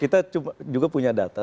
kita juga punya data